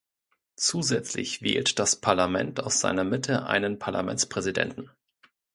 Zusätzlich wählt das Parlament aus seiner Mitte einen Parlamentspräsidenten.